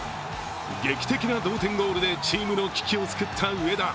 劇的な同点ゴールでチームの危機を救った上田。